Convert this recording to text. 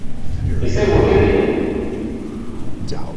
Isewuok idhi?